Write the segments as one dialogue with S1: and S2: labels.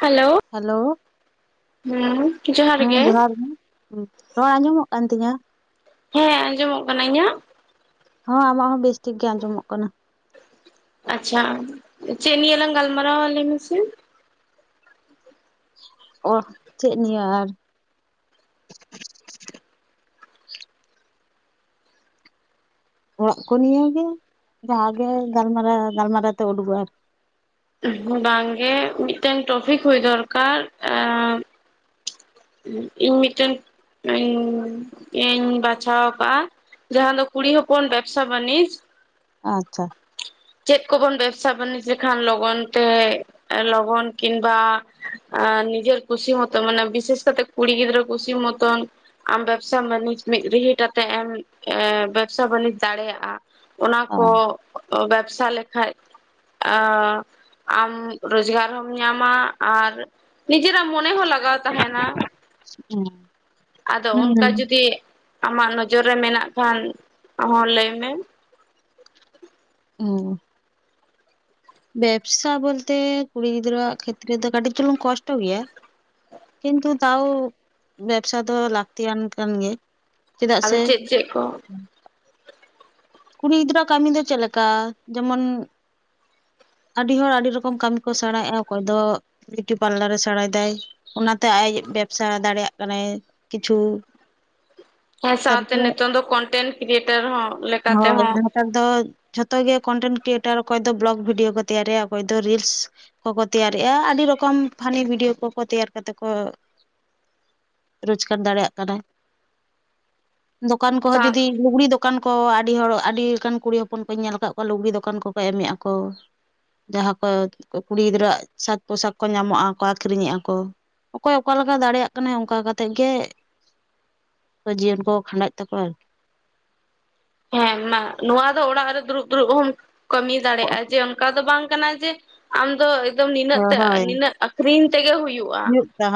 S1: Hello ᱦᱩᱸ ᱡᱚᱦᱟᱨ ᱜᱮ
S2: ᱦᱩᱸ ᱨᱚᱲ ᱟᱸᱡᱚᱢᱚᱜ ᱠᱟᱱ ᱛᱤᱧᱟᱹ
S1: ᱦᱮᱸ ᱟᱸᱡᱚᱢᱚᱜ ᱠᱟᱱᱟ ᱤᱧᱟᱸᱜ
S2: ᱦᱚᱸ ᱟᱢᱟᱜ ᱦᱚᱸ ᱵᱮᱥ ᱴᱷᱤᱠ ᱜᱮ ᱟᱸᱡᱚᱢᱚᱜ ᱠᱟᱱᱟ
S1: ᱟᱪᱪᱷᱟ ᱪᱮᱜᱹᱱᱤᱭᱟᱹ ᱞᱟᱝ ᱜᱟᱞᱢᱟᱨᱟᱣᱟ ᱞᱟᱭ ᱢᱮᱥᱮ
S2: ᱚ ᱪᱮᱫ ᱤᱧ ᱞᱟᱹᱭᱟᱹ ᱟᱨ ᱚᱲᱟᱜ ᱠᱚ ᱱᱤᱭᱟᱹᱜᱮ ᱡᱟᱦᱟᱸᱜᱮ ᱜᱟᱞᱢᱟᱨᱟᱣ ᱜᱟᱞᱢᱟᱨᱟᱣ ᱛᱮ ᱩᱰᱩᱠᱚᱜ ᱟ
S1: ᱵᱟᱝᱜᱮ ᱢᱤᱫᱴᱮᱱ ᱴᱚᱯᱤᱠ ᱦᱩᱭ ᱫᱚᱨᱠᱟᱨ ᱤᱧ ᱢᱤᱫᱴᱮᱱ ᱤᱧ ᱵᱟᱪᱷᱟᱣ ᱟᱠᱟᱫᱼᱟ ᱡᱟᱦᱟᱸ ᱫᱚ ᱠᱩᱲᱤ ᱦᱚᱯᱚᱱ ᱵᱮᱵᱥᱟ ᱵᱟᱱᱤᱡᱽ
S2: ᱚ ᱟᱪᱪᱷᱟ
S1: ᱪᱮᱫ ᱠᱚᱵᱚᱱ ᱵᱮᱵᱥᱟ ᱵᱟᱹᱱᱤᱡᱽ ᱞᱮᱠᱷᱟᱱ ᱞᱚᱜᱚᱱ ᱛᱮ ᱞᱚᱜᱚᱱ ᱠᱤᱢᱵᱟ ᱟᱸ ᱱᱤᱡᱮᱨ ᱠᱷᱩᱥᱤ ᱢᱚᱛᱚ ᱢᱟᱱᱮ ᱵᱤᱥᱮᱥ ᱠᱟᱛᱮ ᱠᱩᱲᱤ ᱜᱤᱫᱽᱨᱟᱹ ᱠᱩᱥᱤ ᱢᱚᱛᱚᱱ ᱟᱢ ᱵᱮᱵᱥᱟ ᱵᱟᱹᱱᱤᱡᱽ ᱢᱤᱫ ᱨᱤᱦᱤᱴ ᱟᱛᱮᱜ ᱮᱢ ᱵᱮᱵᱥᱟ ᱵᱟᱱᱤᱡᱽ ᱫᱟᱲᱮᱭᱟᱜᱼᱟ ᱚᱱᱟ
S2: ᱚ
S1: ᱠᱚ ᱵᱮᱵᱥᱟ ᱞᱮᱠᱷᱟᱡ ᱟᱢ ᱨᱚᱡᱽᱜᱟᱨ ᱦᱚᱢ ᱧᱟᱢᱟ ᱟᱨ ᱱᱤᱡᱮᱨᱟᱜ ᱢᱚᱱᱮ ᱦᱚᱸ ᱞᱟᱜᱟᱣ ᱛᱟᱦᱮᱸᱱᱟ
S2: ᱦᱩᱸ
S1: ᱟᱫᱚ ᱚᱱᱠᱟ ᱡᱩᱫᱤ ᱟᱢᱟᱜ ᱱᱚᱡᱚᱨ ᱨᱮ ᱢᱮᱱᱟᱜ ᱠᱷᱟᱱ ᱦᱚᱸ ᱞᱟᱹᱭᱢᱮ
S2: ᱦᱩᱸ ᱵᱮᱵᱥᱟ ᱵᱚᱞᱛᱮ ᱠᱩᱲᱤ ᱜᱤᱫᱽᱨᱟᱹᱣᱟᱜ ᱠᱷᱮᱛᱨᱮ ᱫᱚ ᱠᱟᱹᱴᱤᱡ ᱪᱩᱞᱩᱝ ᱠᱚᱥᱴᱚ ᱜᱮᱭᱟ ᱠᱤᱱᱛᱩ ᱛᱟᱣ ᱵᱮᱵᱥᱟ ᱫᱚ ᱞᱟᱹᱠᱛᱤᱭᱟᱱ ᱠᱟᱱ ᱜᱮ ᱪᱮᱫᱟᱜ
S1: ᱟᱫᱚ
S2: ᱥᱮ
S1: ᱪᱮᱫ ᱪᱮᱜ ᱠᱚ
S2: ᱠᱩᱲᱤ ᱜᱤᱫᱽᱨᱟᱹ ᱠᱟᱹᱢᱤ ᱫᱚ ᱪᱮᱫ ᱞᱮᱠᱟ ᱡᱮᱢᱚᱱ ᱟᱹᱰᱤ ᱦᱚᱲ ᱟᱹᱰᱤ ᱨᱚᱠᱚᱢ ᱠᱟᱹᱢᱤ ᱠᱚ ᱥᱮᱬᱟᱭᱮᱜᱼᱟ ᱚᱠᱚᱭ ᱫᱚ ᱵᱤᱣᱩᱴᱤ ᱯᱟᱨᱞᱟᱨ ᱮ ᱥᱮᱬᱟᱭ ᱫᱟᱭ ᱚᱱᱟᱛᱮ ᱟᱡ ᱵᱮᱵᱥᱟ ᱫᱟᱲᱮᱭᱟᱜ ᱠᱟᱱᱟᱭ ᱠᱤᱪᱷᱩ [inaudible]
S1: ᱦᱮᱸ ᱥᱟᱶᱛᱮ
S2: ᱛᱟᱨᱯᱚᱨᱮ
S1: ᱱᱤᱛᱚᱝ ᱫᱚ ᱠᱚᱱᱴᱮᱱᱴ ᱠᱨᱤᱭᱮᱴᱟᱨ ᱦᱚᱸ ᱞᱮᱠᱟᱛᱮ
S2: ᱦᱳᱭ
S1: ᱦᱚᱸ
S2: ᱱᱮᱛᱟᱨ ᱫᱚ ᱡᱷᱚᱛᱚ ᱜᱮ ᱠᱚᱱᱴᱮᱱᱴ ᱠᱨᱤᱭᱮᱴᱟᱨ ᱚᱠᱚᱭ ᱫᱚ ᱵᱞᱚᱜ ᱵᱷᱤᱰᱭᱳ ᱠᱚ ᱛᱮᱭᱟᱨᱮᱜᱼᱟ ᱚᱠᱚᱭ ᱫᱚ ᱨᱤᱞᱥ ᱠᱚ ᱠᱚ ᱛᱮᱭᱟᱨᱮᱜᱼᱟ ᱟᱹᱰᱤ ᱨᱚᱠᱚᱢ ᱯᱷᱟᱱᱤ ᱵᱷᱤᱰᱭᱳ ᱠᱚᱠᱚ ᱛᱮᱭᱟᱨ ᱠᱟᱛᱮᱫ ᱠᱚ ᱨᱳᱡᱽᱜᱟᱨ ᱫᱟᱲᱮᱭᱟᱜ ᱠᱟᱱᱟ ᱫᱚᱠᱟᱱ ᱠᱚᱦᱚᱸ
S1: ᱥᱟᱶ
S2: ᱡᱩᱫᱤ ᱞᱩᱜᱽᱲᱤ ᱫᱚᱠᱟᱱ ᱠᱚ ᱟᱹᱰᱤ ᱦᱚᱲ ᱟᱹᱰᱤ ᱞᱮᱠᱟᱱ ᱠᱩᱲᱤ ᱦᱚᱯᱚᱱ ᱠᱚᱧ ᱧᱮᱞ ᱟᱠᱟᱫ ᱠᱚᱣᱟ ᱞᱩᱜᱽᱲᱤ ᱫᱚᱠᱟᱱ ᱠᱚᱠᱚ ᱮᱢᱮᱫ ᱟᱠᱚ ᱾ ᱡᱟᱦᱟᱸ ᱠᱚ ᱠᱩᱲᱤ ᱜᱤᱫᱽᱨᱟᱹᱣᱟᱜ ᱥᱟᱠ ᱯᱳᱥᱟᱠ ᱠᱚ ᱧᱟᱢᱚᱜ ᱟᱠᱚ ᱠᱚ ᱟᱠᱷᱨᱤᱧᱮᱫᱼᱟ ᱠᱚ ᱾ ᱚᱠᱚᱭ ᱚᱠᱟ ᱞᱮᱠᱟ ᱫᱟᱲᱮᱭᱟᱜ ᱠᱟᱱᱟᱭ ᱚᱱᱠᱟ ᱠᱟᱛᱮᱜ ᱜᱮ ᱡᱤᱭᱚᱱ ᱠᱚ ᱠᱷᱟᱸᱰᱟᱣᱮᱫ ᱛᱟᱠᱚᱣᱟ ᱟᱨᱠᱤ
S1: ᱦᱮᱸ ᱢᱟ ᱱᱚᱣᱟ ᱫᱚ ᱚᱲᱟᱜ ᱨᱮ ᱫᱩᱲᱩᱵ ᱫᱩᱲᱩᱵ ᱦᱚᱢ ᱠᱟᱹᱢᱤ ᱫᱟᱲᱮᱭᱟᱜᱼᱟ
S2: ᱟᱨᱠᱤ
S1: ᱡᱮ ᱚᱱᱠᱟ ᱫᱚ ᱵᱟᱝ ᱠᱟᱱᱟ ᱡᱮ ᱟᱢᱫᱚ ᱮᱠᱫᱚᱢ ᱱᱤᱱᱟᱹᱜ ᱛᱮ
S2: ᱦᱳᱭ
S1: ᱱᱤᱱᱟᱹᱜ ᱨᱤᱱ ᱛᱮᱜᱮ ᱦᱩᱭᱩᱜ
S2: ᱦᱩᱭᱩᱜ ᱛᱟ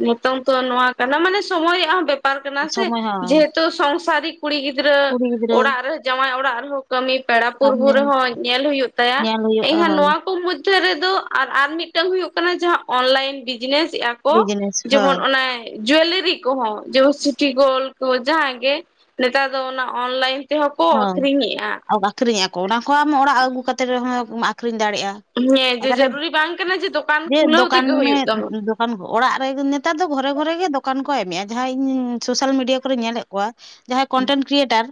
S1: ᱱᱤᱛᱚᱝ ᱛᱚ ᱱᱚᱣᱟ ᱠᱟᱱᱟ ᱢᱟᱱᱮ ᱥᱚᱢᱚᱭ ᱨᱮᱭᱟᱜ ᱦᱚᱸ ᱵᱮᱯᱟᱨ ᱠᱟᱱᱟ ᱥᱮ
S2: ᱥᱚᱢᱚᱭ ᱦᱚᱸ
S1: ᱡᱮᱦᱮᱛᱩ ᱥᱚᱝᱥᱟᱨᱤᱠ ᱠᱩᱲᱤ ᱜᱤᱫᱽᱨᱟᱹ
S2: ᱠᱩᱲᱤ ᱜᱤᱫᱽᱨᱟᱹ
S1: ᱚᱲᱟᱜ ᱨᱮᱦᱚᱸ ᱡᱟᱶᱟᱭ ᱚᱲᱟᱜ ᱨᱮᱦᱚᱸ ᱠᱟᱹᱢᱤ ᱯᱮᱲᱟ ᱯᱟᱹᱨᱵᱷᱩ
S2: ᱥᱟᱢᱱᱮ
S1: ᱨᱮᱦᱚᱸ ᱧᱮᱞ ᱦᱩᱭᱩᱜ ᱛᱟᱭᱟ
S2: ᱧᱮᱞ ᱦᱩᱭᱩᱜᱼᱟ
S1: ᱮᱱᱠᱷᱟᱱ
S2: ᱦᱳᱭ
S1: ᱱᱚᱣᱟ ᱠᱚ ᱢᱚᱫᱽᱫᱷᱮ ᱨᱮᱫᱚ ᱟᱨ ᱟᱨ ᱢᱤᱫᱴᱟᱝ ᱦᱩᱭᱩᱜ ᱠᱟᱱᱟ ᱡᱟᱦᱟᱸ ᱚᱱᱞᱟᱭᱤᱱ ᱵᱤᱡᱽᱱᱮᱥᱮᱜ ᱟᱠᱚ ᱠᱚ
S2: ᱵᱤᱡᱽᱱᱮᱥ ᱦᱳᱭ
S1: ᱡᱮᱢᱚᱱ ᱚᱱᱮ ᱡᱩᱭᱮᱞᱟᱨᱤ ᱠᱚᱦᱚᱸ ᱡᱮᱢᱚᱱ ᱥᱤᱴᱤ ᱜᱳᱞᱰ ᱠᱚ ᱡᱟᱦᱟᱸ ᱜᱮ ᱱᱮᱛᱟᱨ ᱫᱚ ᱚᱱᱟ ᱚᱱᱞᱟᱭᱤᱱ ᱛᱮᱦᱚᱸ ᱠᱚ ᱟᱠᱷᱨᱤᱧᱮᱜᱼᱟ
S2: ᱦᱚᱸ ᱟᱠᱷᱨᱤᱧ ᱟᱠᱚ ᱚᱱᱟ ᱠᱚ ᱟᱢ ᱚᱲᱟᱜ ᱟᱹᱜᱩ ᱠᱟᱛᱮᱫ ᱨᱮᱦᱚᱸ ᱟᱠᱷᱨᱤᱧ ᱫᱟᱲᱮᱭᱟᱜᱼᱟ᱾
S1: ᱦᱮᱸ ᱡᱮ
S2: ᱟᱫᱚ
S1: ᱡᱟᱨᱩᱨᱤ ᱵᱟᱝ ᱠᱟᱱᱟ ᱡᱮ ᱫᱚᱠᱟᱱ ᱠᱷᱩᱞᱟᱹᱣ ᱛᱮᱜᱮ ᱦᱩᱭᱩᱜ ᱛᱟᱢᱟ ᱾
S2: ᱫᱚᱠᱟᱱ ᱚᱲᱟᱜ ᱨᱮ ᱱᱮᱛᱟᱨ ᱫᱚ ᱜᱷᱚᱨᱮ ᱜᱷᱚᱨᱮ ᱜᱮ ᱫᱚᱠᱟᱱ ᱠᱚ ᱮᱢᱮᱫᱼᱟ ᱡᱟᱦᱟᱸ ᱤᱧ ᱥᱳᱥᱟᱞ ᱢᱤᱰᱤᱭᱟ ᱠᱚᱨᱮ ᱧᱮᱞᱮᱫ ᱠᱚᱣᱟ ᱡᱟᱦᱟᱸᱭ ᱠᱚᱱᱴᱮᱱᱴ ᱠᱨᱤᱭᱮᱴᱟᱨ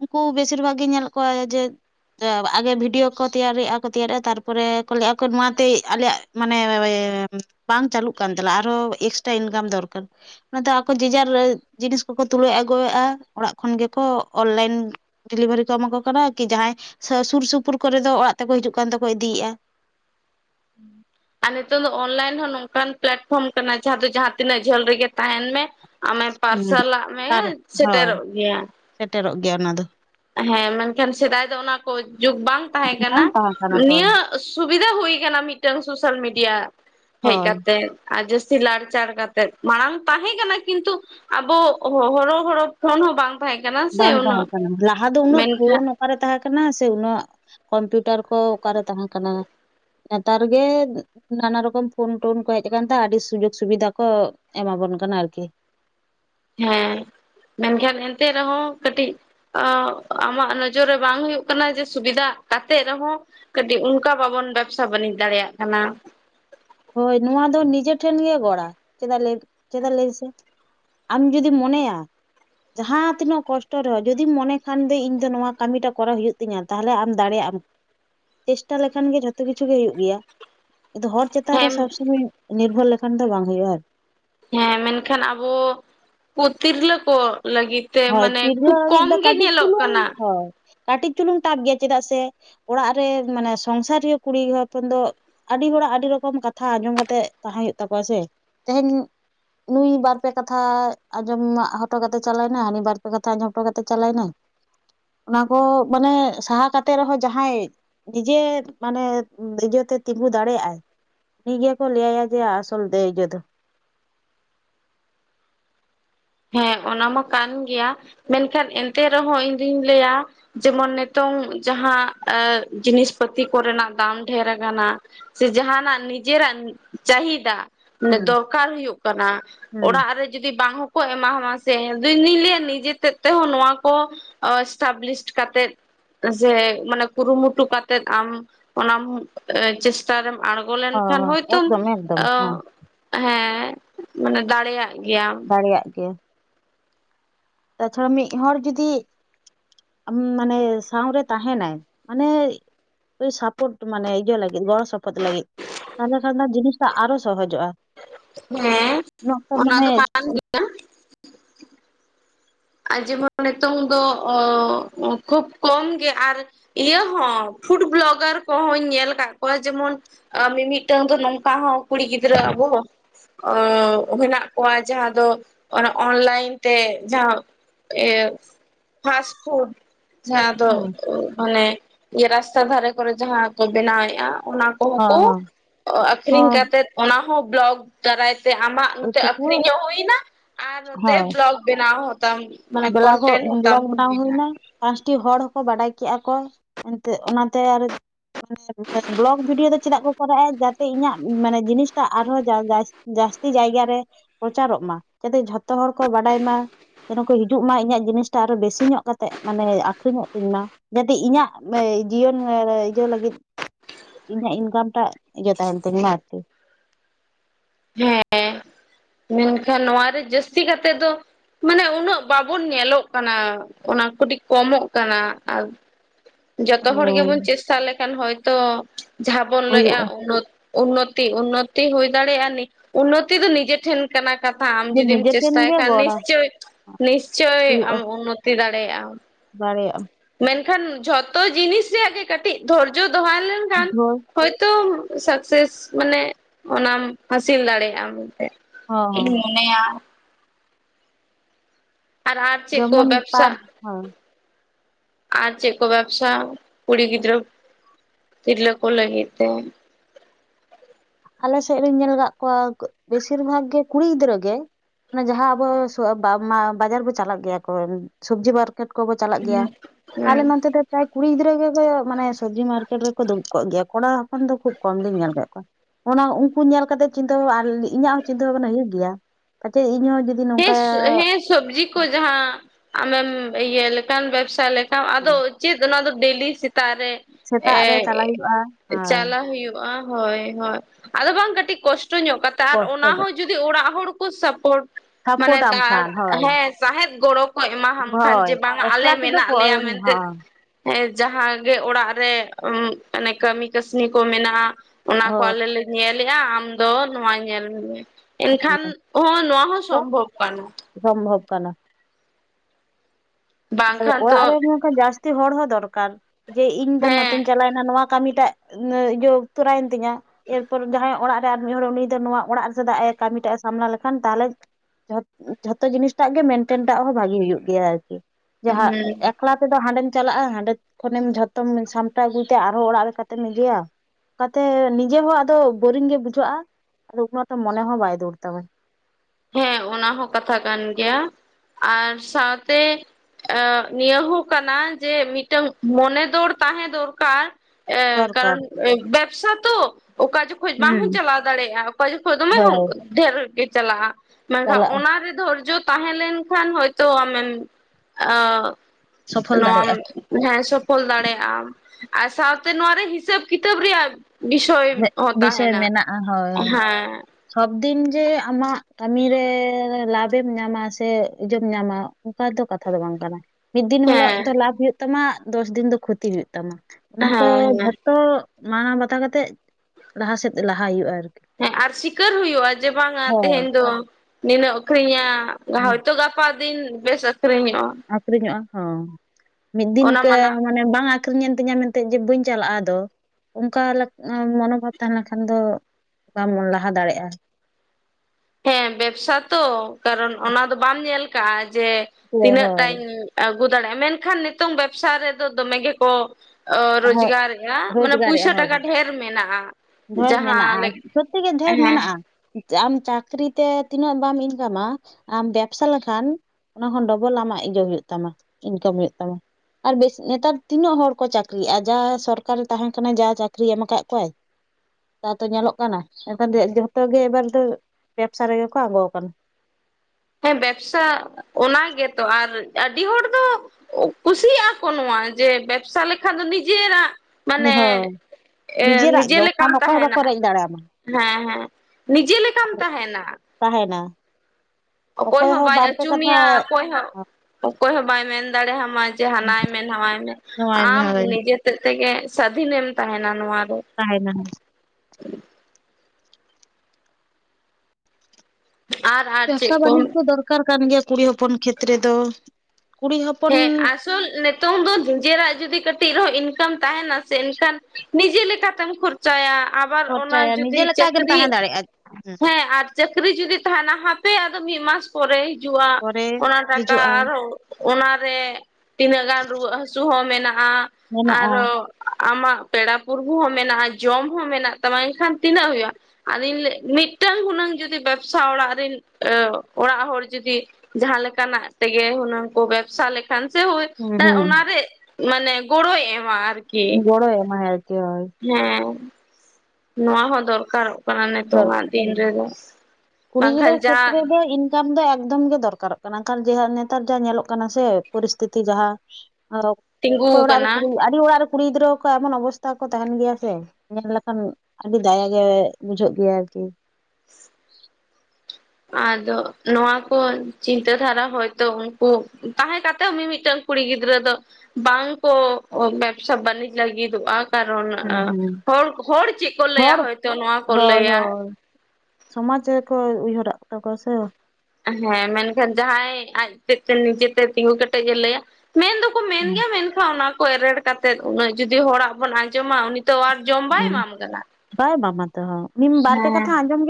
S2: ᱩᱱᱠᱩ ᱵᱮᱥᱤᱨ ᱵᱷᱟᱜᱽ ᱜᱮ ᱧᱮᱞ ᱮᱫ ᱠᱚᱣᱟ ᱡᱮ ᱟᱜᱮ ᱵᱷᱤᱰᱭᱳ ᱠᱚ ᱛᱮᱭᱟᱨᱮᱜᱼᱟ ᱠᱚ ᱛᱮᱭᱟᱨᱮᱫᱼᱟ ᱛᱟᱨᱯᱚᱨᱮ ᱠᱚ ᱞᱟᱹᱭᱼᱟ ᱠᱚ ᱱᱚᱣᱟᱛᱮ ᱟᱞᱮᱭᱟᱜ ᱢᱟᱱᱮ ᱵᱟᱝ ᱪᱟᱞᱩᱜ ᱠᱟᱱ ᱛᱟᱞᱮ ᱟᱨᱦᱚᱸ ᱮᱠᱥᱴᱨᱟ ᱤᱱᱠᱟᱢ ᱫᱚᱨᱠᱟᱨ ᱾ ᱚᱱᱟᱛᱮ ᱟᱠᱚ ᱡᱮᱡᱟᱨ ᱡᱤᱱᱤᱥ ᱠᱚᱠᱚ ᱛᱩᱞᱟᱹᱣ ᱟᱹᱜᱩᱭᱮᱫᱼᱟ ᱚᱲᱟᱜ ᱠᱷᱚᱱ ᱜᱮᱠᱚ ᱚᱱᱞᱟᱭᱤᱱ ᱰᱮᱞᱤᱵᱷᱟᱨᱤ ᱠᱚ ᱮᱢᱟ ᱠᱚ ᱠᱟᱱᱟ ᱠᱤ ᱡᱟᱦᱟᱸᱭ ᱥᱩᱨ ᱥᱩᱯᱩᱨ ᱠᱚᱨᱮ ᱫᱚ ᱚᱲᱟᱜ ᱛᱮᱠᱚ ᱦᱤᱡᱩᱜ ᱠᱟᱱ ᱛᱮᱠᱚ ᱤᱫᱤᱭᱮᱫᱼᱟ ᱾ [inaudible]
S1: ᱟᱨ ᱱᱤᱛᱚᱝ ᱫᱚ ᱚᱱᱞᱟᱭᱤᱱ ᱦᱚᱸ ᱱᱚᱝᱠᱟᱱ ᱯᱞᱟᱴᱯᱷᱚᱨᱚᱢ ᱠᱟᱱᱟ ᱡᱟᱦᱟᱸ ᱫᱚ ᱡᱟᱦᱟ ᱛᱤᱱᱟᱹᱜ ᱡᱷᱟᱹᱞ ᱨᱮᱜᱮ ᱛᱟᱦᱮᱱ ᱢᱮ ᱟᱢᱮ
S2: ᱦᱩᱸ
S1: ᱯᱟᱨᱥᱟᱞᱟᱜ ᱢᱮᱭᱟ
S2: ᱟᱨ ᱦᱳᱭ
S1: ᱥᱮᱴᱮᱨᱚᱜ ᱜᱮᱭᱟ ᱾
S2: ᱥᱮᱴᱮᱨᱚᱜ ᱜᱮᱭᱟ ᱚᱱᱟ ᱫᱚ ᱾
S1: ᱦᱮᱸ ᱢᱮᱱᱠᱷᱟᱱ ᱥᱮᱫᱟᱭ ᱫᱚ ᱚᱱᱟ ᱠᱚ ᱡᱩᱜᱽ ᱵᱟᱝ ᱛᱟᱦᱮᱸ ᱠᱟᱱᱟ
S2: ᱵᱟᱝ ᱛᱟᱦᱮᱸ ᱠᱟᱱᱟ ᱛᱚ
S1: ᱱᱤᱭᱟᱹ ᱥᱩᱵᱤᱫᱷᱟ ᱦᱩᱭ ᱠᱟᱱᱟ ᱢᱤᱫᱴᱟᱝ ᱥᱳᱥᱟᱞ ᱢᱤᱰᱤᱭᱟ ᱦᱮᱡ
S2: ᱦᱳᱭ
S1: ᱠᱟᱛᱮᱜ ᱾ ᱟᱨ ᱡᱟᱥᱛᱤ ᱞᱟᱲᱪᱟᱨ ᱠᱟᱛᱮᱫ ᱢᱟᱲᱟᱝ ᱛᱟᱦᱮᱸ ᱠᱟᱱᱟ ᱠᱤᱱᱛᱩ ᱟᱵᱚ ᱦᱚᱲᱚ ᱦᱚᱲᱚ ᱯᱷᱚᱱ ᱦᱚᱸ ᱵᱟᱝ ᱛᱟᱦᱮᱸ ᱠᱟᱱᱟ ᱥᱮ
S2: ᱵᱟᱝ ᱛᱟᱦᱮ
S1: ᱩᱱᱟᱹᱜ
S2: ᱠᱟᱱᱟ ᱞᱟᱦᱟ ᱟᱫᱚ ᱩᱱᱟᱹᱜ
S1: ᱢᱮᱱᱠᱷᱟᱱ
S2: ᱯᱷᱳᱱ ᱚᱠᱟᱨᱮ ᱛᱟᱦᱮᱸ ᱠᱟᱱᱟ ᱥᱮ ᱩᱱᱟᱹᱜ ᱠᱚᱢᱯᱤᱭᱩᱴᱟᱨ ᱠᱚ ᱚᱠᱟᱨᱮ ᱛᱟᱦᱮᱸ ᱠᱟᱱᱟ ᱾ ᱱᱮᱛᱟᱨ ᱜᱮ ᱱᱟᱱᱟ ᱨᱚᱠᱚᱢ ᱯᱷᱳᱱ ᱴᱳᱱ ᱠᱚ ᱦᱮᱡ ᱠᱟᱱᱛᱮ ᱟᱹᱰᱤ ᱥᱩᱡᱳᱜᱽ ᱥᱩᱵᱤᱫᱷᱟ ᱠᱚ ᱮᱢᱟᱵᱚᱱ ᱠᱟᱱᱟ ᱟᱨᱠᱤ
S1: ᱦᱮᱸ ᱢᱮᱱᱠᱷᱟᱱ ᱮᱱᱛᱮ ᱨᱮᱦᱚᱸ ᱠᱟᱹᱴᱤᱡ ᱚ ᱟᱢᱟᱜ ᱱᱚᱡᱚᱨ ᱨᱮ ᱵᱟᱝ ᱦᱩᱭᱩᱜ ᱠᱟᱱᱟ ᱡᱮ ᱥᱩᱵᱤᱫᱷᱟ ᱠᱟᱛᱮᱜ ᱨᱮᱦᱚᱸ ᱠᱟᱹᱴᱤᱡ ᱚᱱᱠᱟ ᱵᱟᱵᱚᱱ ᱵᱮᱵᱽᱥᱟ ᱵᱟᱹᱱᱤᱡᱽ ᱫᱟᱲᱮᱭᱟᱜ ᱠᱟᱱᱟ ᱾
S2: ᱦᱳᱭ ᱱᱚᱣᱟ ᱫᱚ ᱱᱤᱡᱮ ᱴᱷᱮᱱ ᱜᱮ ᱜᱚᱲᱟ ᱪᱮᱫᱟᱜ ᱪᱮᱫᱟᱜ ᱞᱟᱹᱭ ᱢᱮ ᱥᱮ ᱟᱢ ᱡᱩᱫᱤᱢ ᱢᱚᱱᱮᱭᱟ ᱡᱟᱦᱟᱸ ᱛᱤᱱᱟᱹᱜ ᱠᱚᱥᱴᱚ ᱨᱮᱦᱚᱸ ᱡᱩᱫᱤᱢ ᱢᱚᱱᱮ ᱠᱷᱟᱱ ᱫᱚ ᱤᱧ ᱫᱚ ᱱᱚᱣᱟ ᱠᱟᱹᱢᱤᱴᱟ ᱠᱚᱨᱟᱣ ᱦᱩᱭᱩᱜ ᱛᱤᱧᱟᱹ ᱛᱟᱦᱞᱮ ᱟᱢ ᱫᱟᱲᱮᱭᱟᱜ ᱟᱢ ᱪᱮᱥᱴᱟ ᱞᱮᱠᱷᱟᱱ ᱜᱮ ᱡᱷᱚᱛᱚ ᱠᱤᱪᱷᱩ ᱜᱮ ᱦᱩᱭᱩᱜ ᱜᱮᱭᱟ ᱠᱤᱱᱛᱩ ᱦᱚᱲ ᱪᱮᱛᱟᱱ ᱨᱮ
S1: ᱦᱮᱸ
S2: ᱥᱚᱵᱽ ᱥᱚᱢᱚᱭ ᱱᱤᱨᱵᱷᱚᱨ ᱞᱮᱠᱷᱟᱱ ᱫᱚ ᱵᱟᱝ ᱦᱩᱭᱩᱜᱼᱟ, ᱟᱨ
S1: ᱦᱮᱸ ᱢᱮᱱᱠᱷᱟᱱ ᱟᱵᱚ ᱠᱚ ᱛᱤᱨᱞᱟᱹ ᱠᱚ ᱞᱟᱹᱜᱤᱫ ᱛᱮ
S2: ᱦᱳᱭ
S1: ᱢᱟᱱᱮ
S2: ᱛᱤᱨᱞᱟᱹ
S1: ᱠᱷᱩᱵ
S2: ᱞᱟᱹᱜᱤᱫ
S1: ᱠᱚᱢ
S2: ᱫᱚ
S1: ᱜᱮ
S2: ᱠᱟᱹᱴᱤᱡ
S1: ᱧᱮᱞᱚᱜ
S2: ᱪᱩᱞᱩᱝ
S1: ᱠᱟᱱᱟ
S2: ᱦᱳᱭ ᱠᱟᱹᱴᱤᱡ ᱪᱩᱞᱩᱝ ᱴᱟᱯ ᱜᱮᱭᱟ ᱪᱮᱫᱟᱜ ᱥᱮ ᱚᱲᱟᱜ ᱨᱮ ᱢᱟᱱᱮ ᱥᱚᱝᱥᱟᱨᱤᱭᱟᱹ ᱠᱩᱲᱤ ᱦᱚᱯᱚᱱ ᱫᱚ ᱟᱹᱰᱤ ᱦᱚᱲᱟᱜ ᱟᱹᱰᱤ ᱨᱚᱠᱚᱢ ᱠᱟᱛᱷᱟ ᱟᱸᱡᱚᱢ ᱠᱟᱛᱮᱜ ᱛᱟᱦᱮᱸ ᱦᱩᱭᱩᱜ ᱛᱟᱠᱚᱣᱟ ᱥᱮ ᱛᱮᱦᱮᱧ ᱱᱩᱭ ᱵᱟᱨ ᱯᱮ ᱠᱟᱛᱷᱟ ᱟᱸᱡᱚᱢᱟᱜ ᱦᱚᱴᱚ ᱠᱟᱛᱮ ᱪᱟᱞᱟᱣ ᱮᱱᱟ ᱦᱟᱹᱱᱤ ᱵᱟᱨ ᱯᱮ ᱠᱟᱛᱷᱟ ᱟᱸᱡᱚᱢ ᱦᱚᱴᱚ ᱠᱟᱛᱮ ᱪᱟᱞᱟᱭᱱᱟᱭ ᱾ ᱚᱱᱟ ᱠᱚ ᱢᱟᱱᱮ ᱥᱟᱦᱟ ᱠᱟᱛᱮ ᱨᱮᱦᱚᱸ ᱡᱟᱦᱟᱸᱭ ᱱᱤᱡᱮ ᱢᱟᱱᱮ ᱱᱤᱡᱚ ᱛᱮ ᱛᱤᱸᱜᱩ ᱫᱟᱲᱮᱭᱟᱜᱼᱟᱭ ᱾ ᱩᱱᱤ ᱜᱮᱠᱚ ᱞᱮᱭᱟ ᱡᱮ ᱟᱥᱚᱞ ᱫᱮᱡᱚᱫᱚ ᱾
S1: ᱦᱮᱸ ᱚᱱᱟ ᱢᱟ ᱠᱟᱱ ᱜᱮᱭᱟ ᱢᱮᱱᱠᱷᱟᱱ ᱮᱱᱛᱮ ᱨᱮᱦᱚᱸ ᱤᱧᱫᱩᱧ ᱞᱟᱹᱭᱟᱼᱼ ᱡᱮᱢᱚᱱ ᱱᱤᱛᱚᱝ ᱡᱟᱦᱟᱸ ᱮ ᱡᱤᱱᱤᱥ ᱯᱟᱹᱛᱤ ᱠᱚᱨᱮᱱᱟᱜ ᱫᱟᱢ ᱰᱷᱮᱨ ᱟᱠᱟᱱᱟ ᱥᱮ ᱡᱟᱦᱱᱟᱜ ᱱᱤᱡᱮᱨᱟᱜ ᱪᱟᱦᱤᱫᱟ ᱢᱟᱱᱮ
S2: ᱦᱩᱸ
S1: ᱫᱚᱨᱠᱟᱨ ᱦᱩᱭᱩᱜ ᱠᱟᱱᱟ
S2: ᱦᱩᱸ
S1: ᱚᱲᱟᱜ ᱨᱮ ᱡᱩᱫᱤ ᱵᱟᱝᱼᱼ ᱠᱚ ᱮᱢᱟᱦᱟᱢᱟ ᱥᱮ ᱫᱤᱧ ᱫᱩᱧ ᱞᱟᱹᱭᱟ ᱱᱤᱡᱮ ᱛᱮᱫ ᱛᱮᱦᱚᱸ ᱱᱚᱣᱟ ᱠᱚᱼᱼ ᱮᱥᱴᱟᱵᱞᱤᱥᱴ ᱠᱟᱛᱮᱫ ᱥᱮ ᱢᱟᱱᱮ ᱠᱩᱨᱩᱢᱩᱴᱩ ᱠᱟᱛᱮᱜ ᱟᱢ ᱚᱱᱟᱢ ᱪᱮᱥᱴᱟ ᱨᱮᱢ ᱟᱲ ᱜᱚ
S2: ᱦᱚᱸ
S1: ᱞᱮᱱᱠᱷᱟᱱ
S2: ᱦᱚᱸ
S1: ᱦᱳᱭᱛᱳᱢ
S2: ᱮᱠᱫᱚᱢ ᱮᱠᱫᱚᱢ
S1: ᱚ
S2: ᱦᱮᱸ
S1: ᱦᱮᱸ ᱢᱟᱱᱮ ᱫᱟᱲᱮᱭᱟᱜ ᱜᱮᱭᱟᱢ
S2: ᱫᱟᱲᱮᱭᱟᱜ ᱜᱮᱭᱟ ᱾ ᱠᱟᱛᱷᱟ ᱢᱤᱫ ᱦᱚᱲ ᱡᱩᱫᱤ ᱟᱢ ᱢᱟᱱᱮ ᱥᱟᱶᱨᱮ ᱛᱟᱦᱮᱱᱟᱭ ᱢᱟᱱᱮ ᱚᱭ ᱥᱟᱯᱚᱴ ᱢᱟᱱᱮ ᱤᱭᱟᱹ ᱞᱟᱹᱜᱤᱫ ᱜᱚᱲᱚ ᱥᱚᱯᱚᱦᱚᱫ ᱞᱟᱹᱜᱤᱫ ᱛᱟᱦᱞᱮ ᱠᱷᱟᱱ ᱫᱚ ᱡᱤᱱᱤᱥ ᱴᱟᱜ ᱟᱨᱦᱚᱸ ᱥᱚᱦᱚᱡᱚᱜᱼᱟ᱾
S1: ᱦᱮᱸ
S2: ᱩᱱᱟᱹᱜᱴᱟ
S1: ᱚᱱᱟ
S2: ᱢᱟᱱᱮ
S1: ᱫᱚ
S2: ᱦᱮᱸ
S1: ᱠᱟᱱ ᱜᱮᱭᱟ ᱾ ᱟᱨ ᱡᱮᱢᱚᱱ ᱱᱤᱛᱚᱝ ᱫᱚ ᱚ ᱠᱷᱩᱵ ᱠᱚᱢ ᱜᱮ ᱟᱨᱼᱼ ᱤᱭᱟᱹ ᱦᱚᱸ ᱯᱷᱩᱰ ᱵᱞᱚᱜᱟᱨ ᱠᱚᱦᱚᱧ ᱧᱮᱞ ᱠᱟᱫ ᱠᱚᱣᱟ ᱡᱮᱢᱚᱱ ᱢᱤᱢᱤᱫᱴᱟᱹᱝ ᱫᱚ ᱱᱚᱝᱠᱟ ᱦᱚᱸ ᱠᱩᱲᱤ ᱜᱤᱫᱽᱨᱟᱹ ᱟᱵᱚ ᱦᱚᱸ ᱚᱻ ᱦᱮᱱᱟᱜ ᱠᱚᱣᱟ ᱡᱟᱦᱟᱸ ᱫᱚ ᱚᱱᱟ ᱚᱱᱞᱟᱭᱤᱱ ᱛᱮ ᱡᱟᱦᱟᱸ ᱮ ᱻᱯᱷᱟᱥᱴ ᱯᱷᱩᱰ ᱡᱟᱦᱟᱸ ᱫᱚ ᱢᱟᱱᱮ ᱨᱟᱥᱛᱟ ᱫᱷᱟᱨᱮ ᱠᱚᱨᱮ ᱡᱟᱦᱟᱸ ᱠᱚ ᱵᱮᱱᱟᱣᱮᱫᱼᱟ᱾ ᱚᱱᱟ ᱠᱚᱦᱚᱸ ᱠᱚ
S2: ᱦᱚᱸ
S1: ᱟᱹᱠᱷᱨᱤᱧ
S2: ᱦᱚᱸ
S1: ᱠᱟᱛᱮᱫ ᱚᱱᱟ ᱦᱚᱸ ᱵᱚᱞᱚᱜᱽ ᱫᱟᱨᱟᱭ ᱛᱮ ᱟᱢᱟᱜ ᱱᱚᱛᱮ
S2: ᱛᱟᱠᱚ
S1: ᱟᱹᱠᱷᱨᱤᱧ ᱦᱚᱸ ᱦᱩᱭ ᱮᱱᱟ ᱟᱨ ᱱᱚᱛᱮ ᱵᱚᱞᱚᱜᱽ ᱵᱮᱱᱟᱣ ᱦᱚᱸ ᱛᱟᱢ
S2: [unintelligible] ᱦᱚᱸ ᱵᱚᱞᱚᱠ ᱵᱮᱱᱟᱣ ᱦᱩᱭ ᱱᱟᱭ ᱯᱟᱸᱪᱴᱤ ᱦᱚᱲ ᱦᱚᱸᱠᱚ ᱵᱟᱰᱟᱭ ᱠᱮᱜᱼᱟᱠᱚ ᱮᱱᱛᱮ ᱚᱱᱟᱛᱮ ᱟᱨ [unintelligible] ᱵᱚᱞᱚᱜᱽ ᱵᱷᱤᱰᱭᱳ ᱫᱚ ᱪᱮᱫᱟᱜ ᱠᱚ ᱠᱚᱨᱟᱣᱮᱜᱼᱟ, ᱡᱟᱛᱮ ᱤᱧᱟᱹᱜ ᱢᱟᱱᱮ ᱡᱤᱱᱤᱥᱴᱟᱜ ᱟᱨᱦᱚᱸ [unintelligible] ᱡᱟᱹᱥᱛᱤ ᱡᱟᱭᱜᱟ ᱨᱮ ᱯᱨᱚᱪᱟᱨᱚᱜ ᱢᱟ, ᱡᱟᱛᱮ ᱡᱷᱚᱛᱚ ᱦᱚᱲ ᱠᱚ ᱵᱟᱰᱟᱭ ᱢᱟ᱾ ᱡᱮᱱᱚ ᱠᱚ ᱦᱤᱡᱩᱜ ᱢᱟ ᱤᱧᱟᱜ ᱡᱤᱱᱤᱥᱴᱟᱜ ᱟᱨᱦᱚᱸ ᱵᱮᱥᱤ ᱧᱚᱜ ᱠᱟᱛᱮᱜ ᱢᱟᱱᱮ ᱟᱹᱠᱷᱨᱤᱧᱚᱜ ᱛᱤᱧ ᱢᱟ᱾ ᱡᱟᱛᱮ ᱤᱧᱟᱜ ᱮ ᱡᱤᱭᱚᱱ ᱤᱭᱟᱹ ᱞᱟᱹᱜᱤᱫ᱾ ᱤᱧᱟᱜ ᱤᱱᱠᱟᱢ ᱴᱟᱜ ᱤᱭᱟᱹ ᱛᱟᱦᱮᱱ ᱛᱤᱧ ᱢᱟ ᱟᱨᱠᱤ᱾
S1: ᱦᱮᱸ ᱢᱮᱱᱠᱷᱟᱱ ᱱᱚᱣᱟᱨᱮ ᱡᱟᱹᱥᱛᱤ ᱠᱟᱛᱮ ᱫᱚ᱾ ᱢᱟᱱᱮ ᱩᱱᱟᱹᱜ ᱵᱟᱵᱚᱱ ᱧᱮᱞᱚᱜ ᱠᱟᱱᱟ, ᱚᱱᱟ ᱠᱟᱹᱴᱤᱡ ᱠᱚᱢᱚᱜ ᱠᱟᱱᱟ ᱟᱨ
S2: [inaudible]
S1: ᱡᱚᱛᱚ ᱦᱚᱲ ᱜᱮᱵᱚᱱ ᱪᱮᱥᱴᱟ ᱞᱮᱠᱷᱟᱱ ᱦᱚᱭᱛᱚ ᱡᱟᱦᱟᱸ ᱵᱚᱱ ᱞᱟᱹᱭᱮᱜᱼᱟ
S2: ᱦᱩᱭᱩᱜᱼᱟ
S1: ᱩᱱᱟᱹᱜ ᱩᱱᱱᱚᱛᱤ ᱩᱱᱱᱚᱛᱤ ᱦᱩᱭ ᱫᱟᱲᱮᱭᱟᱜᱼᱟᱱ ᱩᱱᱱᱚᱛᱤ ᱫᱚ ᱱᱤᱡᱮ ᱴᱷᱮᱱ ᱠᱟᱱᱟ ᱠᱟᱛᱷᱟ ᱟᱢ
S2: ᱡᱮ
S1: ᱡᱩᱫᱤᱢ
S2: ᱱᱤᱡᱮ ᱴᱷᱮᱱ
S1: ᱪᱮᱥᱴᱟᱭ
S2: ᱜᱮ
S1: ᱠᱷᱟᱱ
S2: ᱜᱚᱲᱟ
S1: ᱱᱤᱥᱪᱚᱭ ᱱᱤᱥᱪᱳᱭ
S2: ᱦᱩᱭᱩᱜᱼᱟ
S1: ᱟᱢ ᱩᱱᱚᱛ ᱛᱤ ᱫᱟᱲᱮᱭᱟᱜᱼᱟᱢ᱾
S2: ᱫᱟᱲᱮᱭᱟᱜᱼᱟᱢ ᱾
S1: ᱢᱮᱱᱠᱷᱟᱱ ᱡᱷᱚᱛᱚ ᱡᱤᱱᱤᱥ ᱨᱮᱭᱟᱜ ᱜᱮ ᱠᱟᱹᱴᱤᱡ ᱫᱷᱳᱨᱡᱚ ᱫᱚᱦᱟᱱ
S2: ᱦᱳᱭ
S1: ᱦᱚᱳᱛᱚ ᱥᱟᱠᱥᱮᱥ ᱢᱟᱱᱮ ᱚᱱᱟᱢ ᱦᱟᱹᱥᱤᱞ ᱫᱟᱲᱮᱭᱟᱜᱼᱟ ᱢᱮᱱᱛᱮ
S2: ᱦᱚᱸ
S1: ᱾ ᱤᱧ
S2: ᱦᱚᱸ
S1: ᱢᱚᱱᱭᱟ᱾ ᱟᱨ ᱟᱨ ᱪᱮᱫ ᱠᱚ
S2: ᱡᱮᱢᱚᱱ
S1: ᱵᱮᱵᱽᱥᱟ
S2: ᱯᱟᱨᱠ, ᱦᱳᱭ᱾
S1: ᱟᱨ ᱪᱮᱫ ᱠᱚ ᱵᱮᱵᱽᱥᱟ ᱠᱩᱲᱤ ᱜᱤᱫᱽᱨᱟᱹ ᱛᱤᱨᱞᱟᱹ ᱠᱚ ᱞᱟᱹᱜᱤᱫ ᱛᱮ?
S2: ᱟᱞᱮ ᱥᱮᱫ ᱨᱤᱧ ᱧᱮᱞ ᱠᱟᱫᱚ ᱠᱚᱣᱟ᱾ ᱵᱮᱥᱤᱨ ᱵᱷᱟᱜᱽ ᱜᱮ ᱠᱩᱲᱤ ᱜᱤᱫᱽᱨᱟᱹ ᱜᱮ᱾ ᱢᱮ ᱡᱟᱦᱟᱸ ᱟᱵᱚ ᱵᱟᱡᱟᱨ ᱵᱚ ᱪᱟᱞᱟᱜ ᱜᱮᱭᱟ ᱠᱚ ᱥᱚᱵᱽᱡᱤ ᱵᱟᱨᱠᱮᱴ ᱮᱴ ᱠᱚᱠᱚ ᱪᱟᱞᱟᱜ ᱜᱮᱭᱟ᱾ ᱟᱞᱮ
S1: ᱦᱮᱸ
S2: ᱱᱚᱛᱮ ᱫᱚ ᱯᱨᱟᱭ ᱠᱩᱲᱤ ᱜᱤᱫᱽᱨᱟᱹ ᱜᱮᱠᱚ ᱢᱟᱱᱮ ᱥᱚᱵᱽᱡᱤ ᱢᱟᱨᱠᱮᱴ ᱨᱮᱠᱚ ᱫᱩᱲᱩᱵ ᱠᱚᱜ ᱜᱮᱭᱟ᱾ ᱠᱚᱲᱟ ᱦᱚᱯᱚᱱ ᱫᱚ ᱠᱷᱩᱵ ᱠᱚᱢ ᱜᱤᱧ ᱧᱮᱞ ᱠᱮᱫ ᱠᱚᱣᱟ᱾ ᱚᱱᱟ ᱩᱱᱠᱩ ᱧᱮᱞ ᱠᱟᱛᱮ ᱪᱤᱱᱛᱟᱹ ᱵᱷᱟᱹᱵᱽᱱᱟ ᱤᱧᱟᱹᱜ ᱦᱚᱸ ᱪᱤᱱᱛᱟᱹ ᱵᱷᱟᱹᱵᱽᱱᱟ ᱦᱩᱭᱩᱜ ᱜᱮᱭᱟ, ᱯᱟᱪᱮᱫ ᱤᱧᱦᱚ ᱡᱩᱫᱤ ᱱᱚᱝᱠᱟ
S1: ᱦᱮᱸ ᱦᱮᱸ ᱥᱚᱵᱽᱡᱤ ᱠᱚ ᱡᱟᱦᱟᱸ ᱟᱢᱮᱢ ᱤᱭᱟᱹ ᱞᱮᱠᱷᱟᱱ ᱵᱮᱵᱽᱥᱟ ᱟᱫᱚ ᱪᱮᱫ ᱚᱱᱟ ᱫᱚ ᱰᱮᱞᱤ ᱛᱟᱨᱮ
S2: ᱥᱮᱛᱟᱜ ᱨᱮ
S1: ᱮᱸ
S2: ᱪᱟᱞᱟᱜ ᱦᱩᱭᱩᱜᱼᱟ ᱦᱳᱭ
S1: ᱪᱟᱞᱟᱜ ᱦᱩᱭᱩᱜᱼᱟ᱾ ᱦᱳᱭ, ᱦᱳᱭ, ᱟᱫᱚ ᱵᱟᱝ ᱠᱟᱹᱴᱤᱡ ᱠᱚᱥᱴᱚ ᱧᱚᱜ ᱠᱟᱛᱷᱟ ᱟᱨ
S2: ᱠᱚᱥᱴᱚ
S1: ᱚᱱᱟ
S2: ᱧᱚᱜ
S1: ᱦᱚᱸ ᱡᱩᱫᱤ ᱚᱲᱟᱜ ᱦᱚᱲ ᱠᱚ ᱥᱟᱯᱴ
S2: ᱥᱟᱯᱳᱴ ᱟᱢ ᱠᱷᱟᱱ, ᱦᱳᱭ,
S1: ᱥᱟᱦᱮᱸᱫ ᱜᱚᱲᱚ ᱠᱚ ᱮᱢᱟᱦᱟᱢ ᱠᱷᱟᱱ
S2: ᱦᱳᱭ
S1: ᱡᱮ ᱵᱟᱝ ᱟᱞᱮ
S2: ᱮᱠᱞᱟ ᱛᱮᱫᱚ
S1: ᱢᱮᱱᱟᱜ
S2: ᱯᱚᱨ
S1: ᱞᱮᱭᱟ ᱢᱮᱱᱛᱮ
S2: ᱦᱚᱸ᱾
S1: ᱦᱮᱸ ᱡᱟᱦᱟᱸ ᱜᱮ ᱚᱲᱟᱜ ᱨᱮ ᱢᱮ ᱠᱟᱹᱢᱤ ᱠᱟᱹᱥᱱᱤ ᱠᱚ ᱢᱮᱱᱟᱜᱼᱟ᱾ ᱚᱱᱟ ᱠᱚ
S2: ᱦᱚᱸ
S1: ᱟᱞᱮ ᱞᱮ ᱧᱮᱞᱮᱫᱼᱟ᱾ ᱟᱢ ᱫᱚ ᱱᱚᱣᱟ ᱧᱮᱞ ᱢᱮ ᱮᱱᱠᱷᱟᱱ ᱦᱚᱸ ᱱᱚᱣᱟ ᱦᱚᱸ ᱥᱚᱢᱵᱷᱚᱵᱽ ᱵᱟᱱᱩᱜ᱾
S2: ᱥᱚᱢᱵᱷᱚᱵᱽ ᱠᱟᱱᱟ᱾ ᱟᱨ
S1: ᱵᱟᱝᱠᱷᱟᱱ ᱛᱚ
S2: ᱚᱲᱟᱜ ᱨᱮ ᱱᱚᱠᱟᱱ ᱡᱟᱹᱥᱛᱤ ᱦᱚᱲ ᱦᱚᱸ ᱫᱚᱨᱠᱟᱨ ᱡᱮ ᱤᱧ ᱫᱚ
S1: ᱦᱮᱸ
S2: ᱱᱚᱛᱮᱧ ᱪᱟᱞᱟᱣᱮᱱᱟ, ᱱᱚᱣᱟ ᱠᱟᱹᱢᱤᱴᱟᱜ ᱤᱭᱟᱹ ᱛᱚᱨᱟ ᱭᱮᱱ ᱛᱤᱧᱟᱹ᱾ ᱮᱨᱯᱚᱨ ᱡᱟᱦᱟᱸᱭ ᱚᱲᱟᱜ ᱨᱮ ᱟᱨ ᱢᱤᱫ ᱦᱚᱲ ᱩᱱᱤ ᱫᱚ ᱱᱚᱣᱟ ᱚᱲᱟᱜ ᱨᱮ ᱥᱮᱫᱟᱜ ᱮ ᱠᱟᱹᱢᱤᱴᱟᱜ ᱮ ᱥᱟᱢᱱᱟ ᱞᱮᱠᱷᱟᱱ ᱛᱟᱦᱚᱞᱮ ᱡᱷᱚᱛᱚ ᱡᱤᱱᱤᱥᱴᱟᱜ ᱜᱮ ᱢᱮᱱᱴᱮᱱᱴᱟᱜ ᱦᱚᱸ ᱵᱷᱟᱹᱜᱤ ᱦᱩᱭᱩᱜ ᱜᱮᱭᱟ ᱟᱨᱠᱤ᱾ ᱡᱟᱦᱟᱸ
S1: ᱦᱩᱸ
S2: ᱮᱠᱞᱟ ᱛᱮᱫ ᱫᱚ ᱦᱟᱸᱰᱮᱢ ᱪᱟᱞᱟᱜᱼᱟ, ᱦᱟᱸᱰᱮ ᱠᱷᱚᱱᱮᱢ ᱡᱷᱚᱛᱚᱢ ᱥᱟᱢᱴᱟᱣ ᱟᱹᱜᱩᱭ ᱛᱮ ᱟᱨᱦᱚᱸ ᱚᱲᱟᱜ ᱞᱮᱠᱟᱛᱮᱢ ᱤᱭᱟᱹᱭᱟ᱾ ᱚᱱᱠᱟ ᱛᱮ ᱱᱤᱡᱮ ᱦᱚᱸ ᱟᱫᱚ ᱵᱳᱨᱤᱝ ᱜᱮ ᱵᱩᱡᱷᱟᱹᱜᱼᱟ, ᱟᱫᱚ ᱩᱱᱟᱹᱜᱴᱚ ᱢᱚᱱᱮ ᱦᱚᱸ ᱵᱟᱭ ᱫᱩᱲ ᱛᱟᱢᱟ᱾
S1: ᱦᱮᱸ ᱚᱱᱟ ᱦᱚᱸ ᱠᱟᱛᱷᱟ ᱠᱟᱱ ᱜᱮᱭᱟ ᱟᱨ ᱥᱟᱶᱛᱮ ᱱᱤᱭᱟᱹ ᱦᱚᱸ ᱠᱟᱱᱟ ᱡᱮ ᱢᱤᱫᱴᱟᱝ ᱢᱚᱱᱮ ᱫᱚᱲ ᱛᱟᱦᱮᱸ ᱫᱚᱨᱠᱟᱨ ᱮ
S2: ᱫᱚᱨᱠᱟᱨ
S1: ᱠᱟᱨᱚᱱ ᱵᱮᱵᱥᱟ ᱛᱚ, ᱚᱠᱟ ᱡᱚᱠᱷᱟ ᱠᱷᱚᱡ ᱵᱟᱝ
S2: ᱦᱩᱸ
S1: ᱦᱚᱸ ᱪᱟᱞᱟᱣ ᱫᱟᱲᱮᱭᱟᱜᱼᱟ᱾ ᱚᱠᱟ ᱡᱚᱠᱷᱚᱡᱽ ᱫᱚᱢᱮ ᱦᱚᱸ
S2: ᱦᱳᱭ
S1: ᱰᱷᱮᱨ ᱜᱮ ᱪᱟᱞᱟᱜᱼᱟ᱾ ᱢᱮᱱᱠᱷᱟᱱ
S2: ᱪᱟᱞᱟᱜᱼᱟ
S1: ᱚᱱᱟ ᱨᱮ ᱫᱷᱳᱨᱡᱚ ᱛᱟᱦᱮᱸ ᱞᱮᱱᱠᱷᱟᱱ ᱦᱚᱭᱛᱳ ᱟᱢᱮᱢ ᱮᱻ
S2: ᱥᱚᱯᱷᱚᱞ
S1: ᱱᱚᱣᱟ
S2: ᱫᱟᱲᱮᱭᱟᱜᱼᱟ
S1: ᱦᱮᱸ ᱥᱚᱯᱷᱚᱞ ᱫᱟᱲᱮᱭᱟᱜ ᱟᱢ ᱟᱨ ᱥᱟᱶᱛᱮ ᱱᱚᱣᱟ ᱨᱮ ᱦᱤᱥᱟᱹᱵᱽ ᱠᱤᱛᱟᱹᱵ ᱨᱮᱭᱟᱜ ᱵᱤᱥᱚᱭ ᱦᱚᱸ ᱛᱟᱦᱮᱱᱟ, ᱦᱮᱸ᱾
S2: ᱥᱚᱵᱫᱤᱱ ᱡᱮ ᱟᱢᱟᱜ ᱠᱟᱹᱢᱤ ᱞᱟᱵᱷ [unintelligible] ᱧᱟᱢᱟ ᱥᱮ ᱡᱚᱢ ᱧᱟᱢᱟ᱾ ᱚᱱᱠᱟ ᱫᱚ ᱠᱟᱛᱷᱟ ᱫᱚ ᱵᱟᱝ ᱠᱟᱱᱟ᱾ ᱢᱤᱫ ᱫᱤᱱ ᱦᱤᱞᱳᱜ
S1: ᱦᱮᱸ
S2: ᱫᱚ ᱞᱟᱵᱷ ᱦᱩᱭᱩᱜ ᱛᱟᱢᱟ᱾ ᱛᱟᱢᱟ ᱫᱚᱥ ᱫᱤᱱ ᱫᱚ ᱠᱷᱚᱛᱤ ᱦᱩᱭᱩᱜ ᱛᱟᱢᱟ᱾ ᱚᱱᱟ
S1: ᱦᱮᱸ
S2: ᱠᱚ
S1: ᱦᱮᱸ
S2: ᱡᱷᱚᱛᱚ ᱢᱟᱱᱟᱣ ᱵᱟᱛ ᱠᱟᱛᱮᱜ ᱞᱟᱦᱟ ᱥᱮᱫ ᱞᱟᱦᱟ ᱦᱩᱭᱩᱜᱼᱟ, ᱟᱨᱠᱤ᱾
S1: ᱦᱮᱸ ᱟᱨ ᱥᱤᱠᱟᱹᱨ ᱦᱩᱭᱩᱜᱼᱟ ᱡᱮ ᱵᱟᱝᱼᱟ ᱛᱮᱦᱮᱧ
S2: ᱦᱳᱭ
S1: ᱫᱚ ᱱᱤᱱᱟᱹᱜ ᱟᱹᱷᱨᱤᱧᱟ ᱦᱚᱭᱛᱳ ᱜᱟ, ᱚᱠᱟ ᱫᱤᱱ ᱵᱮᱥ ᱟᱹᱠᱷᱚᱨᱤᱧᱚᱜᱼᱟ᱾
S2: ᱟᱹᱠᱷᱨᱤᱧᱚᱜᱼᱟ, ᱦᱚᱸ ᱢᱤᱫ ᱫᱤᱱ
S1: ᱚᱱᱟ ᱢᱟᱱᱟ
S2: ᱢᱟᱱᱮ ᱵᱟᱝ ᱟᱹᱠᱷᱨᱤᱧᱮᱱ ᱛᱤᱧᱟᱹ ᱢᱮᱱᱛᱮ ᱡᱮ ᱵᱟᱹᱧ ᱪᱟᱞᱟᱜᱼᱟ, ᱟᱫᱚ᱾ ᱚᱱᱠᱟ ᱢᱚᱱᱳᱵᱷᱟᱵ ᱛᱟᱦᱮᱸ ᱞᱮᱠᱷᱟᱱ ᱫᱚ ᱵᱟᱵᱚᱱ ᱞᱟᱦᱟ ᱫᱟᱲᱮᱭᱟᱜᱼᱟ᱾
S1: ᱦᱮᱸ ᱵᱮᱵᱽᱥᱟ ᱛᱚ, ᱠᱟᱨᱚᱱ ᱚᱱᱟ ᱫᱚ ᱵᱟᱢ ᱧᱮᱞ ᱠᱟᱜᱼᱟ ᱡᱮ
S2: ᱦᱳᱭ
S1: ᱛᱤᱱᱟᱹᱜ
S2: ᱦᱳᱭ
S1: ᱴᱟᱧ ᱟᱹᱜᱩ ᱫᱟᱲᱮᱭᱟᱜᱼᱟ᱾ ᱢᱮᱱᱠᱷᱟᱱ ᱱᱤᱛᱚᱝ ᱵᱮᱵᱽᱥᱟ ᱨᱮᱫᱚ ᱫᱚᱢᱮ ᱜᱮᱠᱚ
S2: ᱦᱳᱭ
S1: ᱨᱚᱡᱽᱜᱟᱨ ᱮᱼᱟ, ᱢᱟᱱᱮ
S2: ᱨᱳᱡᱽᱜᱟᱨᱮᱜᱼᱟ
S1: ᱯᱩᱭᱥᱟ
S2: ᱦᱚᱸ
S1: ᱴᱟᱠᱟ ᱰᱷᱮᱨ ᱢᱮᱱᱟᱜᱼᱟ᱾
S2: ᱰᱷᱮᱨ
S1: ᱡᱟᱦᱟᱸ
S2: ᱢᱮᱱᱟᱜᱼᱟ,
S1: ᱞᱮᱠ
S2: ᱥᱚᱛᱛᱤ ᱜᱮ ᱰᱷᱮᱨ
S1: ᱦᱮᱸ
S2: ᱢᱮᱱᱟᱜᱼᱟ᱾ ᱟᱢ ᱪᱟᱹᱠᱨᱤᱛᱮ ᱛᱤᱱᱟᱹᱜ ᱵᱟᱢ ᱤᱱᱠᱟᱢᱟ ᱟᱢ ᱵᱮᱵᱽᱥᱟ ᱞᱮᱠᱷᱟᱱ, ᱚᱱᱟ ᱠᱷᱚᱱ ᱰᱚᱵᱚᱞ ᱟᱢᱟᱜ ᱤᱭᱟᱹ ᱦᱩᱭᱩᱜ ᱛᱟᱢᱟ ᱤᱱᱠᱟᱢ ᱦᱩᱭᱩᱜ ᱛᱟᱢᱟ᱾ ᱟᱨ ᱵᱮᱥ ᱱᱮᱛᱟᱨ ᱛᱤᱱᱟᱹᱜ ᱦᱚᱲ ᱠᱚ ᱪᱟᱹᱠᱨᱤᱭᱮᱜᱼᱟ ᱡᱟ ᱥᱚᱨᱠᱟᱨᱮ ᱛᱟᱦᱮᱸ ᱠᱟᱱᱟᱭ ᱡᱟ ᱪᱟᱹᱠᱨᱤ ᱮᱢ ᱟᱠᱟᱫ ᱠᱚᱣᱟᱭ᱾ ᱛᱟᱛᱚ ᱧᱮᱞᱚᱜ ᱠᱟᱱᱟ᱾ ᱮᱱᱠᱷᱟᱱ ᱫᱚ ᱡᱷᱚᱛᱚ ᱜᱮ ᱮᱵᱟᱨ ᱫᱚ ᱵᱮᱵᱽᱥᱟ ᱨᱮᱜᱮ ᱠᱚ ᱟᱬᱜᱚ ᱟᱠᱟᱱᱟ᱾
S1: ᱦᱮᱸ ᱵᱮᱵᱽᱥᱟ ᱚᱱᱟ ᱜᱮᱛᱚ ᱟᱨ ᱟᱹᱰᱤ ᱦᱚᱲ ᱫᱚ, ᱠᱩᱥᱤᱭᱟᱜ ᱟᱠ ᱠᱚ ᱱᱚᱣᱟ ᱡᱮ ᱵᱮᱵᱥᱟ ᱞᱮᱠᱷᱟᱱ ᱫᱚ ᱱᱤᱡᱮᱨᱟᱜ, ᱢᱟᱱᱮ
S2: ᱦᱳᱭ
S1: ᱮ
S2: ᱱᱤᱡᱮᱨᱟᱜ
S1: ᱱᱤᱡᱮ
S2: ᱜᱮ ᱚᱱᱟ
S1: ᱞᱮᱠᱟᱢ
S2: ᱫᱚ ᱚᱠᱚᱭ ᱦᱚᱸ
S1: ᱛᱟᱦᱮᱱᱟ᱾
S2: ᱵᱟᱠᱚ ᱨᱮᱡ ᱫᱟᱲᱮᱭᱟᱢᱟ
S1: ᱦᱮᱸ ᱦᱮᱸ ᱱᱤᱡᱮ ᱞᱮᱠᱟᱢ ᱛᱟᱦᱮᱱᱟ᱾
S2: ᱛᱟᱦᱮᱸᱱᱟ᱾
S1: ᱚᱠᱚᱭ ᱦᱚᱸ ᱵᱟᱭ ᱟᱪᱩᱢᱤᱭ
S2: ᱠᱟᱛᱷᱟ
S1: ᱚᱠᱚᱭ ᱦᱚᱸ ᱚᱠᱚᱭ ᱦᱚᱸ ᱵᱟᱭ ᱢᱮᱱ ᱫᱟᱲᱮᱭᱟ ᱢᱟ, ᱡᱮ ᱦᱟᱱᱟᱭ ᱢᱮ ᱱᱟᱣᱟᱭ ᱢᱮ
S2: ᱱᱚᱣᱟᱭ ᱢᱮ
S1: ᱟᱢ
S2: ᱦᱳᱭ
S1: ᱱᱤᱡᱮ ᱦᱚᱛᱮᱫ ᱛᱮᱜᱮ ᱥᱟᱫᱷᱤᱱᱮᱢ ᱛᱟᱦᱮᱱᱟ ᱱᱚᱣᱟ ᱨᱮ᱾
S2: ᱛᱟᱦᱮᱱᱟ᱾
S1: ᱟᱨ ᱟᱨ
S2: ᱵᱮᱵᱽᱥᱟ
S1: ᱪᱮᱫ ᱠᱚ
S2: ᱵᱟᱱᱤᱡᱽ ᱫᱚ ᱫᱚᱨᱠᱟᱨ ᱠᱟᱱ ᱜᱮᱭᱟ, ᱠᱩᱲᱤ ᱦᱚᱯᱚᱱ ᱠᱷᱮᱛᱨᱮ ᱫᱚ᱾ ᱠᱩᱲᱤ ᱦᱚᱯᱚᱱ
S1: ᱦᱮᱸ ᱟᱥ ᱛᱚᱞ ᱱᱤᱛᱚᱝ ᱫᱚ ᱱᱤᱡᱮᱨᱟᱜ ᱡᱩᱫᱤ ᱠᱟᱹᱴᱤᱡ ᱨᱮᱦᱚᱸ ᱤᱱᱠᱟᱢ ᱛᱟᱦᱮᱱᱟ ᱥᱮ ᱮᱱᱠᱷᱟᱱ ᱱᱤᱡᱮ ᱞᱮᱠᱟᱛᱮᱢ ᱠᱷᱚᱨ ᱪᱟᱭᱟ ᱟᱵᱟᱨ ᱚᱱᱟ
S2: ᱠᱷᱚᱨᱪᱟᱭᱟ
S1: ᱡᱩᱫᱤ
S2: ᱱᱤᱡᱮ ᱞᱮᱠᱟ ᱜᱮᱢ
S1: ᱪᱟᱹᱠᱨᱤ,
S2: ᱛᱟᱦᱮᱸ ᱫᱟᱲᱮᱭᱟᱜᱼᱟ
S1: ᱟᱨ ᱪᱟᱹᱠᱨᱤ ᱡᱩᱫᱤ ᱛᱟᱦᱮᱱᱟ ᱦᱟᱯᱮ ᱟᱫᱚ ᱢᱤᱫ ᱢᱟᱥ, ᱯᱚᱨᱮ ᱦᱤᱡᱩᱜᱼᱟ
S2: ᱯᱚᱨᱮ
S1: ᱚᱱᱟ ᱴᱟᱠᱟ
S2: ᱦᱤᱡᱩᱜᱼᱟ
S1: ᱟᱨᱦᱚᱸ, ᱚᱱᱟᱨᱮ ᱛᱤᱱᱟᱹᱜ ᱜᱟᱱ ᱨᱩᱣᱟᱹᱜ ᱦᱟᱹᱥᱩ ᱦᱚᱸ ᱢᱮᱱᱟᱜᱼᱟ
S2: ᱢᱮᱱᱟᱜᱼᱟ
S1: ᱟᱨᱚ ᱟᱢᱟᱜ ᱯᱮᱲᱟ ᱯᱵᱷᱩ ᱦᱚᱸ ᱢᱮᱱᱟᱜᱼᱟ ᱡᱚᱢ ᱦᱚᱸ ᱢᱮᱱᱟᱜ ᱛᱟᱢᱟ᱾ ᱮᱱᱠᱷᱟᱱ ᱛᱤᱱᱟᱹᱜ ᱦᱩᱭᱩᱜᱼᱟ ᱟᱫᱚᱧ ᱞᱟᱹᱭ ᱢᱤᱫᱴᱟᱝ ᱦᱩᱱᱟᱹᱝ ᱡᱩᱫᱤ ᱵᱮᱵᱽᱥᱟ ᱚᱲᱟᱜ ᱨᱮᱱ ᱚᱲᱟᱜ ᱦᱚᱲ ᱡᱩᱫᱤ, ᱡᱟᱦᱟᱸ ᱞᱮᱠᱟᱱᱟᱜ ᱛᱮᱜᱮ ᱦᱩᱱᱟᱹᱝ ᱠᱚ ᱵᱮᱵᱽᱥᱟ ᱞᱮᱠ ᱠᱷᱟᱱ ᱥᱮ ᱦᱩᱭ
S2: ᱦᱩᱸ
S1: ᱚᱱᱟᱨᱮ ᱢᱟᱱᱮ, ᱜᱚᱲᱚᱭ ᱮᱢᱟ ᱟᱨ
S2: ᱜᱚᱲᱚᱭ ᱮᱢᱟᱭ ᱟᱨᱠᱤ ᱦᱳᱭ᱾
S1: ᱦᱮᱸ ᱱᱚᱣᱟ ᱦᱚᱸ ᱫᱚᱨᱠᱟᱨᱚᱜ ᱠᱟᱱᱟ ᱱᱤᱛᱚᱝ ᱟᱜ ᱫᱤᱱ
S2: ᱫᱚᱨᱠᱟᱨ᱾
S1: ᱨᱮᱫᱚ, ᱵᱟᱝᱠᱷᱟᱱ ᱡᱟ
S2: ᱠᱟᱢ ᱫᱚ ᱮᱠᱫᱚᱢ ᱜᱮ ᱫᱚᱨᱠᱟᱨᱚᱜ ᱠᱟᱱᱟ ᱱᱮᱛᱟᱨ ᱡᱟᱦᱟᱸ ᱧᱮᱞᱚᱜ ᱠᱟᱱᱟ ᱥᱮ ᱯᱚᱨᱤᱥᱛᱷᱤᱛᱤ ᱡᱟᱦᱟᱸ ᱟᱨᱚᱠ ᱚᱠᱚᱭ
S1: ᱛᱤᱸᱜᱩ
S2: ᱚᱲᱟᱜ ᱨᱮ
S1: ᱟᱠᱟᱱᱟ
S2: ᱠᱩᱲᱤ ᱟᱹᱰᱤ ᱚᱲᱟᱜ ᱨᱮ ᱠᱩᱲᱤ ᱜᱤᱫᱽᱨᱟᱹ ᱠᱚ ᱮᱢᱚᱱ ᱚᱵᱚᱥᱛᱟ ᱠᱚ ᱛᱟᱦᱮᱱ ᱜᱮᱭᱟ ᱥᱮ ᱧᱮᱞ ᱞᱮᱠᱷᱟᱱ ᱟᱹᱰᱤ ᱫᱟᱭᱟ ᱜᱮ ᱵᱩᱡᱷᱟᱹᱜ ᱜᱮᱭᱟ ᱟᱨᱠᱤ᱾
S1: ᱟᱫᱚ ᱱᱚᱣᱟᱠᱩ ᱪᱤᱱᱛᱟᱹᱫᱷᱟᱨᱟ ᱦᱚᱭᱛᱚ ᱩᱱᱠᱩ ᱛᱟᱦᱮᱸ ᱠᱟᱛᱮᱜ ᱦᱚᱸ ᱢᱤᱢᱤᱫᱴᱟᱝ, ᱠᱩᱲᱤ ᱜᱤᱫᱽᱨᱟᱹ ᱫᱚ ᱵᱟᱝ ᱠᱚ ᱵᱮᱯᱥᱟ ᱵᱟᱹᱱᱤᱡᱽ ᱞᱟᱹᱜᱤᱫᱚᱜᱼᱟ᱾ ᱠᱟᱨᱚᱱ
S2: ᱦᱩᱸ ᱦᱩᱸ
S1: ᱦᱚᱲ ᱦᱚᱲ ᱪᱮᱫ ᱠᱚ ᱞᱟᱹᱭᱟ
S2: ᱦᱚᱲ
S1: ᱦᱚᱭᱛᱚ ᱱᱚᱣᱟ ᱠᱚ
S2: ᱦᱳᱭ
S1: ᱞᱟᱹᱭᱟ᱾
S2: ᱦᱳᱭ ᱥᱚᱢᱟᱡᱽ ᱨᱮᱠᱚ ᱩᱭᱦᱟᱹᱨᱟᱜ [unintelligible] ᱠᱚᱣᱟ ᱥᱮ᱾
S1: ᱦᱮᱸ ᱢᱮᱱᱠᱷᱟᱱ ᱡᱟᱦᱟᱸᱭ ᱟᱡᱛᱮᱫ ᱛᱮ ᱱᱤᱡᱮᱛᱮ ᱛᱤᱸᱜᱩ ᱠᱮᱴᱮᱡ ᱮ ᱞᱟᱹᱭᱟ᱾ ᱢᱮᱱ ᱫᱚᱠᱚ ᱢᱮᱱ
S2: ᱦᱩᱸ
S1: ᱜᱮᱭᱟ ᱢᱮᱱᱠᱷᱟᱱ ᱚᱱᱟ ᱠᱚ ᱮᱨᱮᱲ ᱠᱟᱛᱮᱫ ᱩᱱᱟᱹᱜ ᱡᱩᱫᱤ ᱦᱚᱲᱟᱜ ᱵᱚᱱ ᱟᱸᱡᱚᱢᱟ ᱩᱱᱤ ᱛᱚ ᱟᱨ ᱡᱚᱢ ᱵᱟᱭ
S2: ᱦᱩᱸ
S1: ᱮᱢᱟᱢ ᱠᱟᱱᱟ
S2: ᱵᱟᱭ ᱵᱟᱢᱟ ᱛᱮᱦᱚᱸ ᱩᱱᱤ ᱵᱟᱨ ᱯᱮ
S1: ᱦᱮᱸ᱾
S2: ᱠᱟᱛᱷᱟ ᱟᱸᱡᱚᱢ ᱜᱮ